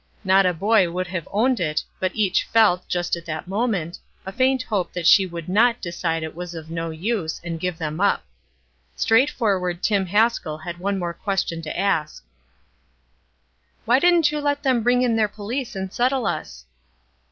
Not a boy would have owned it, but each felt, just at that moment, a faint hope that she would not decide it was of no use, and give them up. Straightforward Tim Haskell had one more question to ask: "Why didn't you let them bring in their police and settle us?"